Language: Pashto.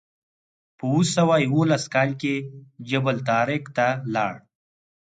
په اوه سوه یوولس کال کې جبل الطارق ته لاړ.